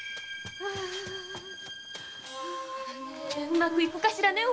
うまくゆくかしら？